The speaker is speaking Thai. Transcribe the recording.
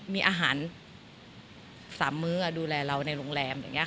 มีอาหาร๓มื้อดูแลเราในโรงแรมอย่างนี้ค่ะ